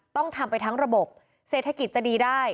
ต้องทำไปทั้งระบบเศรษฐกิจจะดีได้